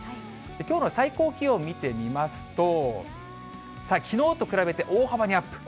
きょうの最高気温見てみますと、きのうと比べて大幅にアップ。